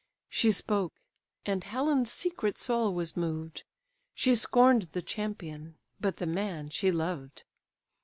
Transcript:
She spoke, and Helen's secret soul was moved; She scorn'd the champion, but the man she loved.